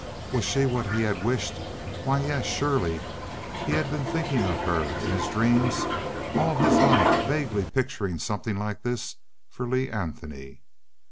Was she what he had wished? Why yes surely he had been thinking of her in his dreams, all his life vaguely picturing something like this for Lee Anthony....